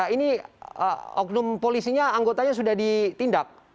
ini oknum polisinya anggotanya sudah ditindak